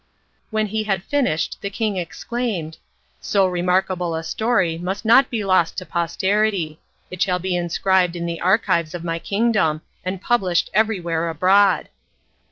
When he had finished the king exclaimed: "So remarkable a story must not be lost to posterity. It shall be inscribed in the archives of my kingdom and published everywhere abroad."